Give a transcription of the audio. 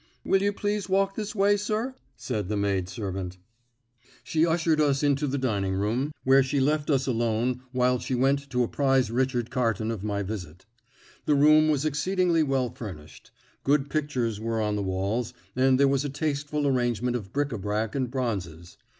"Will you please walk this way, sir?" said the maidservant. She ushered us into the dining room, where she left us alone while she went to apprise Richard Carton of my visit. The room was exceedingly well furnished. Good pictures were on the walls, and there was a tasteful arrangement of bric a brac and bronzes.